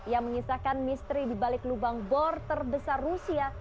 yang menyisakan misteri di balik lubang bor terbesar rusia